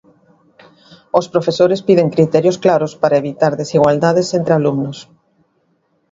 Os profesores piden criterios claros para evitar desigualdades entre alumnos.